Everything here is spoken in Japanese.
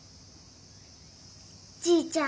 じいちゃん